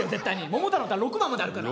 「桃太郎」の歌６番まであるから。